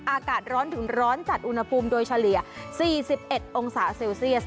อากาศร้อนถึงร้อนจัดอุณหภูมิโดยเฉลี่ย๔๑องศาเซลเซียส